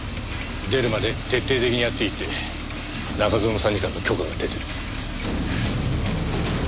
出るまで徹底的にやっていいって中園参事官の許可が出てる。